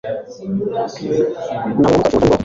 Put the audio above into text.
Ntabwo ngomba gukora ifunguro rya nimugoroba